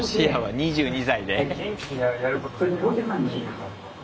２２歳で？